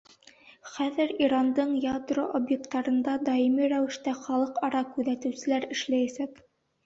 Хәҙер Ирандың ядро объекттарында даими рәүештә халыҡ-ара күҙәтеүселәр эшләйәсәк.